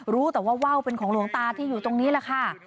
รู้แต่ว่าว่าวเป็นของหลวงตาที่อยู่ตรงนี้แหละค่ะ